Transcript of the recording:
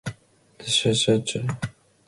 The Searchers